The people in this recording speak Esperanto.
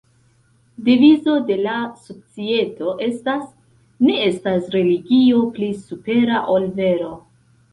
Devizo de la societo estas "ne estas religio pli supera ol vero".